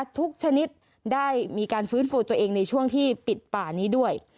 ชนิดได้มีการฟื้นฟูตัวเองในช่วงที่ปิดป่านี้ด้วย